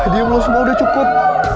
diam lo semua udah cukup